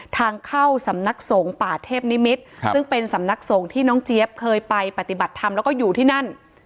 ทางเข้าสำนักสงฆ์ป่าเทพนิมิตรซึ่งเป็นสำนักสงฆ์ที่น้องเจี๊ยบเคยไปปฏิบัติธรรมแล้วก็อยู่ที่นั่น